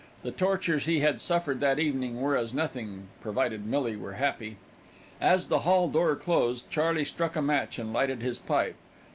The tortures he had suffered that evening were as nothing, provided Millie were happy. As the hall door closed, Charley struck a match and lighted his pipe.